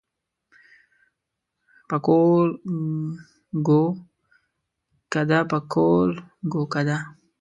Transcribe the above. پکول ګو کده پکول ګو کده.